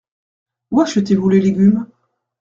Où achetez-vous les légumes ?